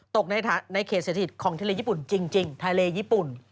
ตกในเขตเศรษฐกิจของทะเลญี่ปุ่นจริงทะเลญี่ปุ่น